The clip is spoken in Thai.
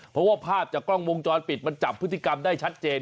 เพราะว่าภาพจากกล้องวงจรปิดมันจับพฤติกรรมได้ชัดเจน